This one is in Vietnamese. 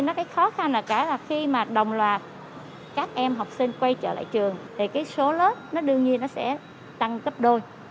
nó cái khó khăn là cả là khi mà đồng loạt các em học sinh quay trở lại trường thì cái số lớp nó đương nhiên nó sẽ tăng gấp đôi